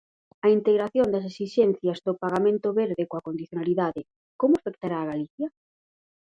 A integración das exixencias do pagamento verde coa condicionalidade ¿como afectará a Galicia?